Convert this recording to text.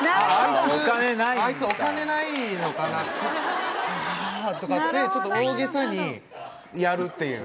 あお金ないんだ。とかってちょっと大げさにやるっていう。